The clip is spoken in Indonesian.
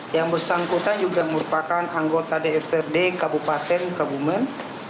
yang bersangkutan juga merupakan anggota dprd kabupaten kebumen